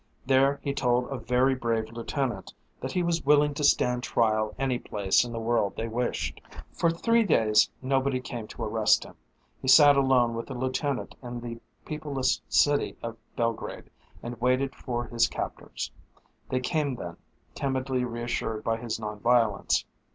There he told a very brave lieutenant that he was willing to stand trial any place in the world they wished. For three days nobody came to arrest him. He sat alone with the lieutenant in the peopleless city of Belgrade and waited for his captors. They came then, timidly reassured by his non violence.